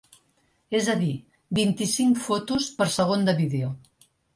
És a dir: vint-i-cinc fotos per segon de vídeo.